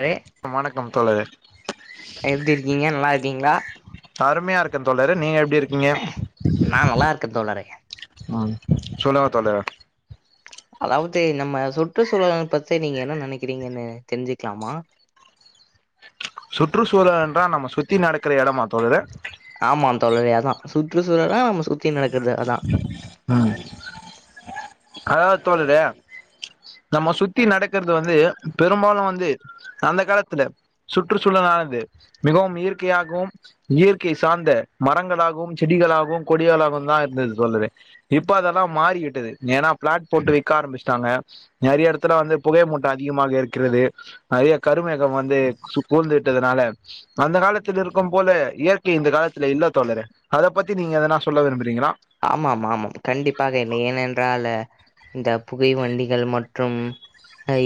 தோழரே வணக்கம் தோழரே எப்டி இருக்கீங்க நல்லா இருக்கீங்ளா க்கே தோழரே நீங்க எ ப்டி இருக்கீங்க நா நல்லா இருக்கே தோழரே சொல்லுங்க தோழரே அதாவது நம்ம சுற்றுச்சூழல பத்தி நீங்க என்ன நெனைக்கிறீங்கன்னு தெரிஞ்சுக்கலாமா சுற்றுச்சூழல் என்றா நம்ம சுத்தி நடக்கற எடமா தோழரே ஆமா தோழரே அதா சுற்றுச்சூழலா நம்ம சுத் த்தி நடக்றது அதா அதாவது தோலரே நம்ம சுத்தி நடக்கிரது வந்து பெரும்பாலு வந்து அந்த காலத்துல சுற்றுச்சூழலானது மிகவும் இயற்கையாகவும் இயற்கை சார்ந்த மரங்களாகவும் செடிகளாகவும் கொடிகளாகவும் தான் இருந்தது தோழரே இப்ப அதெல்லா மாறிவிட்டது ஏனா பிளாட் போட்டு விக்க ஆரம்பிச்சு டாங்க நெறைய எடத்துல வந்து புகை மூட்டோ அதிகமாக இருக்கிறது நெறைய கருமேகம் வந்து சு சூழ்ந்துட்டதுனால அந்த காலத்து இருக்கும் போல இயற்கை இந்த காலத்துல இல்ல தொடர அத பத்தி நீங்க எதனா சொல்ல விரும்புறீங்களா ஆமாம் ஆமாம் கண்டிப்பாக என்ன ஏனென்றால் இந்த புகை வண்டிகள் மற்றும்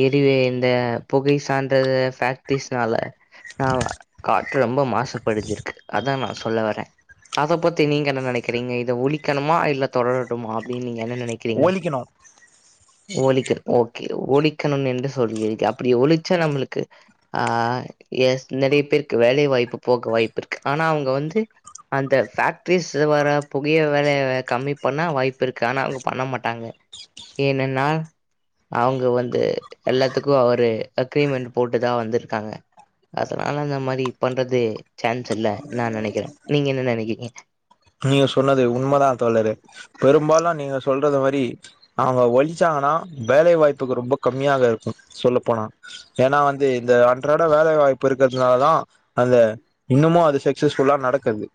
எரிவே இந்த புகை சான்றது பேக்ட்ரீஸ்னால நா காற்று ரொம்ப மாச படுஞ்சிருக்கு அதா நா சொல்ல வரே அத பத்தி நீங்க என்ன நெனைக்குறீங்க இத ஒலி கணுமா இல்ல தொடரட்டுமா அப்டினீ என்ன நெனைக்கிறீங்க ஒழிக்கணு ஓழிக்கணு ஓகே ஓழிக்கணும் என்று சொல்கிரீங்க அப்டி ஒழிச்சா நம்மளுக்கு ஆ ய நெறையா பேருக்கு வேலை வாய்ப்பு போக வாய்ப்பு இருக்கு ஆனா அவங்க வந்து அந்த பேக்டரிஸ் வர புகைய வேலய கம்மி பண்ணா வாய்ப்பு இருக்கு ஆனா அவங்க பண்ண மாட்டாங்க ஏனன்னா அவங்க வந்து எல்லாத்துக்கு அவரு அக்ரிமெண்ட் போட்டு தா வந்திருக்காங்க அதுனால அந்த மாரி பண்றது சான் ஸில்ல நா நெனைக்கிறே நீங்க என்ன நினைக்கீங்க நீங்க சொன்னது உண்மைதா தோழரே பெரும்பாலு நீங்க சொல்றது மாரி அவங்க ஒழிச்சாங்கனா வேலை வாய்ப்புக்கு ரொம்ப கம்மியாக இருக்கு சொல்லப்போனா ஏன்னா வந்து இந்த அன்றாட வேலை வாய்ப்பு இருக்கிறதுனால தா அந்த இன்னுமு அது சக்சஸ்ஃபுல்லா நடக்குது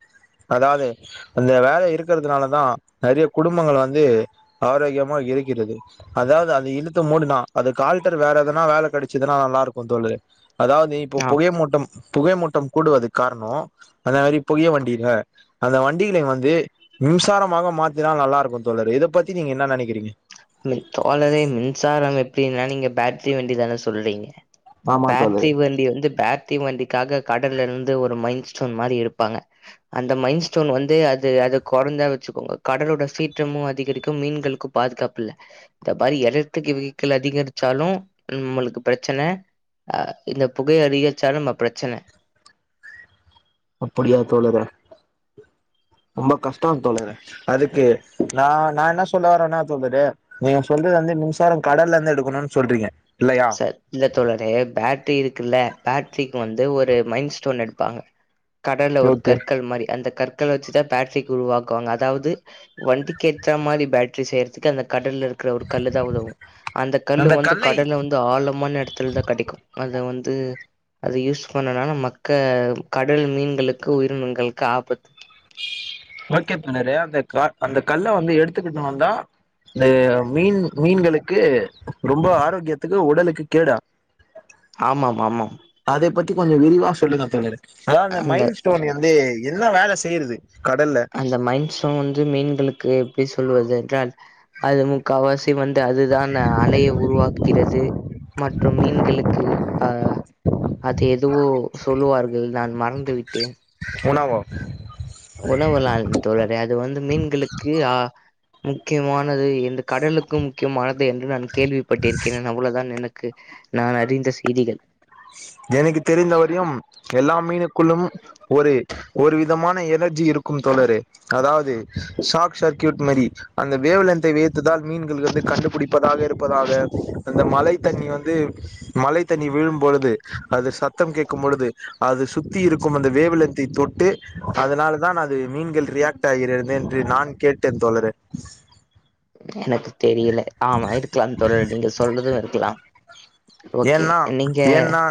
அதாவது அந்த வேல இருக்கிறதுனாலதா நெறைய குடும்பங்கள் வந்து ஆரோக்கியமா இருக்கிறது அதாவது அது இழுத்து மூடுனா அதுக்கு ஆல்ட்டர் வேற எதனா வேலை கெடைச்சதுன்னா நல்லா இருக்கு தோலரே அதாவது இப்ப ஆ புகை மூட்டம் புகை மூட்டம் கூடுவதுக்கு காரணோ அந்த மாரி புகைய வண்டில அந்த வண்டிகளை வந்து மின்சாரமாக மாத்தினா நல்லா இருக்கோ தோலரே இத பத்தி நீங்க என்ன நெனைக்கிறீங்க அப்டினா நீங்க பேட்ரி வேண்டி தானே சொல்றீங்க ஆமா தோழரே பேட்ரி வண்டி வந்து பே ரி வண்டிக்காக கடல்ல இருந்து ஒரு மைண்ட் ஸ்டோன் மாரி எடுப்பாங்க அந்த மைண்டஸ்டோன் வந்து அது அத கொறந்தா வச்சிக்கோங்கோ கடலோட சீற்றமு அதிகரிக்கோ மீன்களுக்கு பாதுகாப் பில்ல இந்த மாரி எலத்ரிக் வெகிகள் அதிகரிச்சாலு நம்மளுக்கு பிரச்சன ஆ இந்த புகைய அதிகரிச்சாலு நம்ம பிரச்சன அப்படியா தோலரே ரொம்ப கஷ்டோ தோலரே அதுக்கு நா நா என்ன சொல்ல வரேன்னா தோலரே நீங்க சொல்றது வந்து மின்சாரோ கடல்ல இருந்து எடுக்கணும்னு சொல்றீங்க இல்லையா சரி இல்ல தோழரே பேட்ரி இருக் குல்ல பேட்ரிக்கு வந்து ஒரு மைண்ட்ஸ்டோன் எடுப்பாங்க கடல்ல ஒரு ஓகே கற்கள் மாரி அந்த கற் கள வச்சுதா பேட்ரிக் உருவாக்குவாங்க அதாவது வண்டிக்கேத்தா மாரி பேட்ரி செய்ரதுக்கு அந்த கடல்ல இருக்கிற ஒரு கல்லு தா உதவு அந்த கல்லு வந்து கடல்ல வந்து ஆழமான எடத்துல தா கெடைக்கு அத த வந்து அத யூஸ் பண்ணனால மக்க கடல் மீன்களுக்கு உயிரினங்களுக்கு ஆபத்து ஓகே தோழரே அந்த கா அந்த கல்ல வந்து எடுத்துக்கிட்டு வந்தா இந்த மீன் மீன்களுக்கு ரொம்ப ஆரோக்கியத்துக்கு உடலுக்கு கேடா ஆமாம் ஆமாம் அதைப் பத்தி கொஞ்சம் விரிவா சொல்லுங்க தோழரே. அதாவது அந்த மைல் ஸ்டோன் வந்து என்ன வேல செய்யறது அந்த மைல் ஸ்டோன் வந்து மீன்களுக்கு எப்டி சொல்வது என்றால் அது முக்காவாசி வந்து அதுதான் அலைய உருவாக்குகிறது மற்றும் மீன்களுக்கு ஆ அது எதுவோ சொல்லுவார்கள்தான் மறந்து விட்டேன். உணவா? உணவல்லா அல்ல தோழரா அது வந்து மீன்களுக்கு ஆ முக்கியமானது இந்த கடலுக்கும் முக்கியமான து என்று நான் கேள்விப்பட்டிருக்கிறேன் அவ்வளவுதான் எனக் கு நான் அறிந்த செய்திகள். எனக்கு தெரிந்த வரையும் எல்லா மீனுக்குள்ளும் ஒரு ஒரு விதமான எனர்ஜி இருக்கும் தோழரே அதாவது ஷார்ட் சர்க்யூட் மாரி அந்த வேவ்லென்த்தை வைத்துதான் மீன்கள் வந்து கண்டுபிடிப்பதாக இருப்பதாக அந்த மழைத் தண்ணி வந்து மழைத் தண்ணி விழும் பொழுது அது சத்தம் கேக்கும் பொழுது அது சுத்தி இருக்கும் அந்த வேவ்லென்த்தை தொட்டு அதனாலதான் அது மீன்கள் ரியாக்ட் ஆகிறது என்று நான் கேட்டேன் தோழரே. உ எனக்கு தெரியல ஆமா இருக்கலாம் தோழரே நீங்க சொல்றது இருக்கலா. ஏன்னா ஏன்னா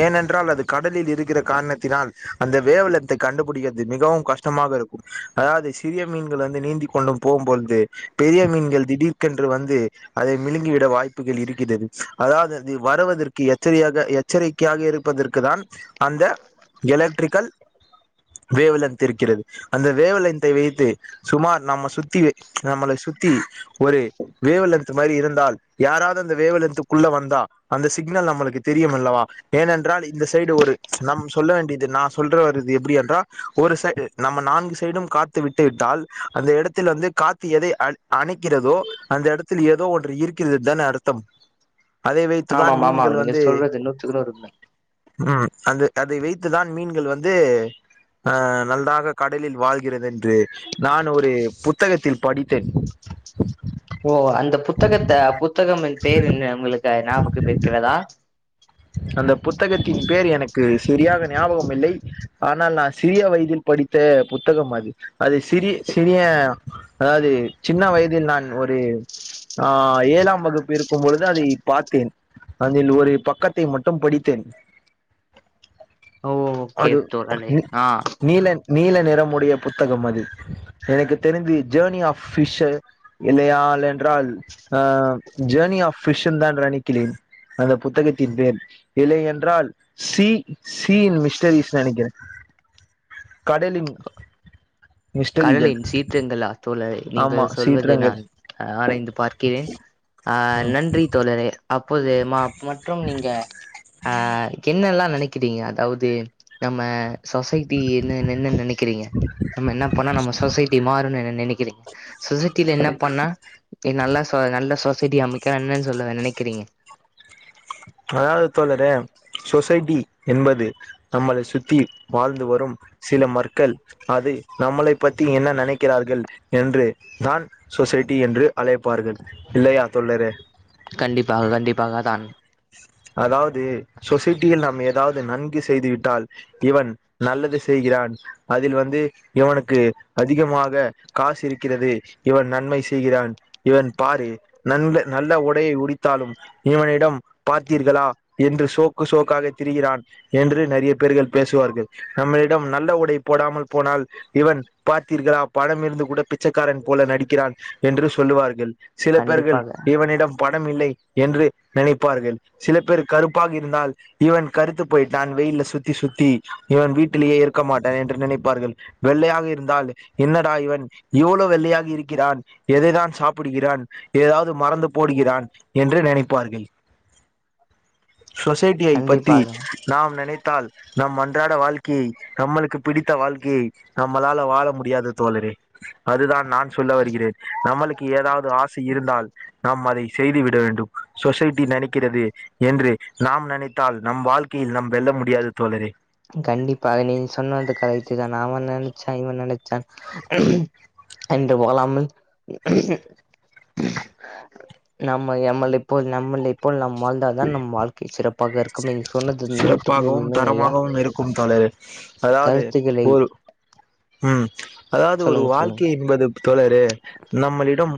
ஏனென்றால் அது கடலில் இருக்கிற காரணத்தினால் அந்த வேவ்லென்த்தை கண்டுபிடிக்கிறது மிகவும் கஷ்டமாக இருக்கும். அதாவது சிறிய மீன்கள் வந்து நீந்திக் கொண்டு போகும்பொழுது பெரிய மீன்கள் திடீர்க்கென்று வந்து அதை விழுங்கி விட வாய்ப் புகள் இருக்கிறது. அதாவது இது வருவதற்கு எச்சரியாக எச்சரிக்கையாக இருப்பதற்கு தான் அந்த எலக்ட்ரிக்கல் வேவ்லெந்த் இருக்கிறது அந்த வேவ்லெந்த்தை வைத்து சுமார் நம்ம சுத்தி நம்மள சுத்தி ஒரு வேவ்லெந்த் மாரி இருந்தால் யாராவது அந்த வேவ்லெந்த்துக்குள்ள வந்தா அந்த சிக்னல் நம்மளுக்கு தெரியுமல்லவா? ஏனென்றால் இந்த சைடு ஒரு நம் சொல்ல வேண்டியது நா சொல்ற வர்றது எப்டி என்றா ஒரு சைடு நம்ம நான்கு சைடும் காத்து விட்டு விட்டால் அந்த எடத்துல வந்து காத்து எதை அண் அணைக்கிறதோ அந்த எடத்தில் ஏதோ ஒன்று இருக்கிறதுதான அர்த்தம் அதை வைத்துதான் ஆமாம் ஆமாம் மீன்கள் நீங்க வந்து சொல்றது நூத்துக்கு நூறு உண்ம ம் அந்த அதை வைத்துதான் மீன்கள் வந்து ஆ நன்றாக கடலில் வாழ்கிறது என்று நான் ஒரு புத்தகத்தில் படித்தேன். ஓ அந்த அது ஞாபகம் இருக்கிறதா? அந்த புத்தகத்தின் பேர் எனக்கு சரியாக ஞாபகம் இல்லை. ஆனால் நான் சிறிய வயதில் படித்த புத்தகம் அது அது சிறி சிறிய அதாவது சின்ன வயதில் நான் ஒரு ஆ ஏழாம் வகுப்பு இருக்கும் பொழுது அதை பாத்தேன். அதில் ஒரு பக்கத் தை மட்டும் படித்தேன். ஓ ஓகே அது தோழரே நீ ஆ நீல நீல நிறமுடைய புத்தகம் அது. எனக்குத் தெரிந்து ஜேர்னி ஆஃப் ஃபிஷ்ஷு இல்லையால் என்றால் ஆ ஜேர்னி ஆஃப் ஃபிஷ்ஷுன்தான் என்று நினைக்கிறேன் அந்த புத்தகத் தின் பேர் இல்லை என்றால் சீ சீ இன் மிஸ்டரிஸ்னு நெனைக்கிறே கடலின் மிஸ்டரிகள் கடலின் சீற்றங்களா தோழரே நீங்கள் ஆமா சொல்வதை சீற்றங்கள் நான் ஆ ஆராய்ந்து பார்க்கிறேன். ஆ நன்றி தோழரே அப் போது மா அப் மற்றும் நீங்க ஆ என்னல்லா நெனை கிறீங்க அதாவுது நம்ம சொசைட்டி என்னெனென்னன் நெனக்கிறீங்க நம்ம என்ன பண்ணா நம்ம சொசைட்டி மாறுனென நெனைக்கிறீங்க சொசைட்டில என்ன பண்ணா என் நல்ல சொ நல்ல சொ சைட்டி அமைக்க என்னன் சொல்ல நினைக்கிறிங்க அதாவது தோழரே சொசைட்டி என்பது நம்மளை சுத்தி வாழ்ந்து வரும் சில மர்க்கள் அது நம்மளை பத்தி என்ன நனைக்கிறார்கள் என்று நான் சொசைட்டி என்று அழைப்பார்கள் இல்லையா தோழரே கண்டிப்பாக கண்டிப்பாக தான் அதாவ்து சொசைட்டியில் நாம் எதாவ்து நன்கு செய்து விட்டால் இவன் நல்லது செய்கிறான் அதில் வந்து இவனுக்கு அதிகமாக காசு இருக்கிறது இவன் நன்மை செய்கிறான் இவன் பாரு நல்ல நல்ல உடையை உடித்தாலும் இவனிடம் பார்த்தீர்களா என்று சோக்கு சோக்காக திரிகிறான் என்று நறிய பேர்கள் பேசுவார்கள் நம்மளிடம் நல்ல உடை போடாமல் போனால் இவன் பார்த்தீர்களா பணம் இருந்து கூட பிச்சைக்காரன் போல நடிக்கிறான் என்று சொல்லுவார்கள் சில பேர்கள் கண்டிப்பாக இவனிடம் ப ணம் இல்லை என்று நினைப்பார்கள் சில பேர் கருப்பாக இருந்தால் இவன் கருத்து போயிட்டான் வெயில்ல சுத்தி சுத்தி இவன் வீட்டுலெயே இருக்க மாட்டான் என்று நினைப்பார்கள் வெள்ளையாக இருந்தால் என்னடா இவன் இவ்வளொ வெள்ளையாக இருக்கிறான் எதைதான் சாப்பிடுகிறான் எதாவ்து மரந்து போடுகிறான் என்று நினைப்பார்கள் சொசைட்டியை பத்தி கண்டிப்பாக நாம் நினை த்தால் நாம் அன்றாட வாழ்க்கையை நம்மளுக்கு பிடித்த வாழ்க்கையை நம்மளால வாழ முடியாது தோழரே அதுதான் நான் சொல்ல வருகிறேன் நம்மளுக்கு ஏதாவ்து ஆசை இருந்தால் நம் அதை செய்து விட வேண்டும் சொசைட்டி நனக்கிறது என்று நாம் நனைத்தால் நம் வாழ்க்கையில் நம் வெல்ல முடியாது தோழரே கண்டிப்பாக நீங்க சொன்னது கரெக்ட்டுதான் அவன் நனச்சா இவன் நனச்சா என்று வாழாமல் நம்ம நம்மெளப்போல் நம்மளெப்போல் நம் இப்போல் நம் வாழ்ந்தால் தான் நம் வாழ்க்கை சிறப் பாக இருக்கும் நீங்க சொன்னது நூத்துக்கு நூறு உண்மை ஐயா வும் இருக்கும் தோழரே அதாவ்து கருத்துக்களை ம் ம் அதாவ்து ஒரு சொல்லுங்க சொல்லுங்க வாழ்க்கை என்பது தோழரே நம்மளிடம்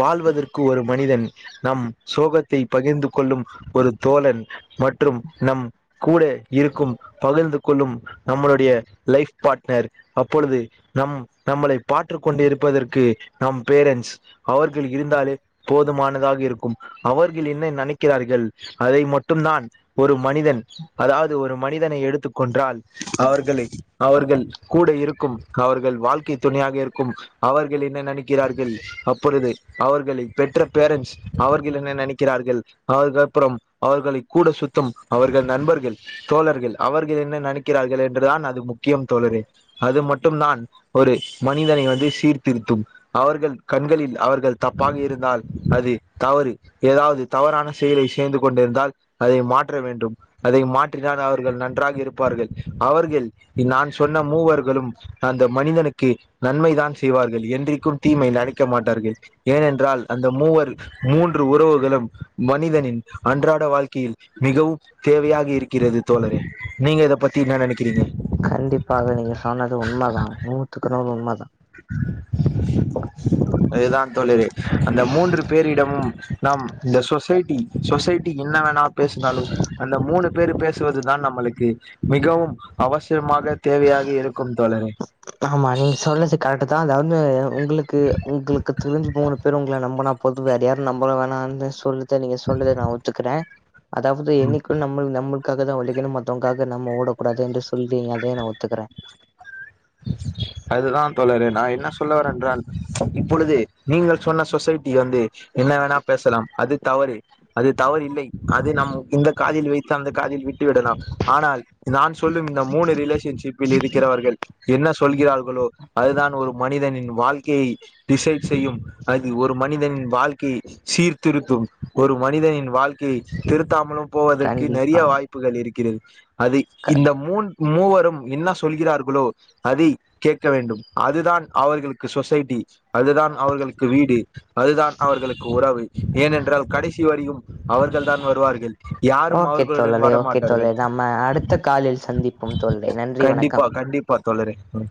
வாழ்வதற்கு ஒரு மனிதன் நம் சோகத்தை பகிர்ந்து கொள்ளும் ஒரு தோழன் மற்றும் நம் கூட இருக்கும் பகிர்ந்து கொள்ளும் நம்மளுடைய லைஃப் பார்ட்னர் அப்பொழுது நம் நம்மளை பாட்ருக் கொண்டிருப்பதற்கு நம் பேரன்ஸ் அவர்கள் இருந்தாலே போதுமா னதாக இருக்கும் அவர்கள் என்ன நனக்கிறார்கள் அதை மட் டுந்தான் ஒரு மனிதன் அதாவ்து ஒரு மனிதனை எடுத்துக் கொன்றால் அவர்களை அவர்கள் கூட இருக்கும் அவர்கள் வாழ்க்கை துணையாக இருக்கும் அவர்கள் என்ன நனக்கிறார்கள் அப்பொழுது அவர்களை பெற்ற பேரன்ஸ் அவர்கள் என்ன நெனக்கிறார்கள் அதுக்கப்றம் அவர்களை கூட சுத்தும் அவர்கள் நண்பர்கள் தோழர்கள் அவர்கள் என்ன நனக்கிறார்கள் என்றுதான் அது முக்கியம் தோழரே அது மட்டும்தான் ஒரு மனிதனை வந்து சீர்திருத்தும் அவர்கள் கண்களில் அவர்கள் தப்பாக இருந்தால் அது தவறு ஏதாவ்து தவறான செயலை சேர்ந்து கொண்டிருந்தால் அதை மாற்ற வேண்டும் அதை மாற்றினால் அவர்கள் நன்றாக இருப் பார்கள் அவர்கள் நான் சொன்ன மூவர்களும் அந்த மனிதனுக்கு நன்மைதான் செய்வார்கள் என்றைக்கும் தீமை நனிக்க மாட்டார்கள் ஏனென்றால் அந்த மூவர் மூன்று உறவுகளும் மனிதனின் அன்றாட வாழ் க்கெயில் மிகவும் தேவையா என்ன நெனைக்கிறீங்க கண்டிப்பாக நீங்க சொன்னது உண்மதா நூத்துக்கு நூறு உண்மதா ப்போ அதுதான் தோழரே அந்த மூன்று பேரிடமும் நாம் இந்த சொசைட்டி சொசைட்டி என்னா பேசுனாலு அந்த மூணு பேர் பேசுவதுதான் நம்மளுக்கு மிகவும் அவசியமா ன தேவையாக இருக்கும் தோழரே வது உங்களுக்கு உங்களுக்கு தெரிஞ்சு மூணு பேர் உங்கள நம்பனா போது வேற யாரு நம்ப வேணான்னு சொல்ல றத நீங்க சொல்றத நா ஒத்துக்கிறே. அதாவது என்னைக்கு நம்மள் நம க்காகதா ஒழைக்கணு மத்தவங்க்காக நம்ம ஓடக்கூடாது என்று சொல்றீங்க அதையு நா ஒத் துக்கறே. அதுதான் தோழரே நா என்ன சொல்ல வரேன் என்றால் இப்பொழுது நீங்கள் சொன்ன சொசைட்டி வந்து என்ன வேண்ணா பேசலாம் அது தவறு அது தவறு இல்லை அது நம் இந்த காதில் வைத்து அந்த காதில் வி ட்டு விடலாம். ஆனால் நான் சொல்லும் இந்த மூணு ரிலேஷன்ஷிப்பில் இருக்கிறவர்கள் என்ன சொல்கிறார்களோ அதுதான் ஒரு மனிதனின் வாழ்க்கையை டிசைட் செய்யும் அது ஒரு மனிதனின் வாழ் க்கையை சீர்திருத்தும் ஒரு மனிதனின் வாழ்க்கையை திருத்தாமலும் போவதற்கு கண்டிப்பா நெறைய வாய்ப்புகள் இருக்கிறது [inaudible] அது க இந்த மூன் மூவரும் என்ன சொல்கிறார்களோ அதை கேட்க வேண்டும். அதுதான் அவர்களுக்கு சொசைட்டி அதுதான் அவர்களுக்கு வீடு அதுதான் அவர்களுக்கு உறவு. ஏனென்றால் கடைசி வரையும் அவர்கள் தான் வருவார்கள். யாரும் ஓகே அவர்களுடன் தோழரே ஓகே தோழரே வரமாட்டார்கள் நம்ம அடுத்த காலில் சந்திப்போம் தோழரே நன்றி வணக்கம். ப்பா தோழரே ம்